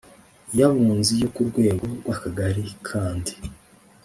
y Abunzi yo ku rwego rw Akagari kandi